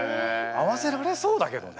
合わせられそうだけどね。